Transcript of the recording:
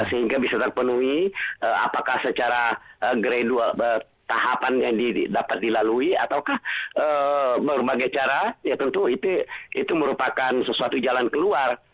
sehingga bisa terpenuhi apakah secara gradual tahapan yang dapat dilalui ataukah berbagai cara ya tentu itu merupakan sesuatu jalan keluar